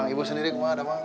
ibu sendiri gimana dama